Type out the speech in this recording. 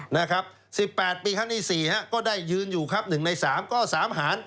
นะครับ๑๘ปีครั้งที่๔ฮะก็ได้ยืนอยู่ครับ๑ใน๓ก็๓หาร